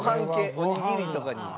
おにぎりとかにも。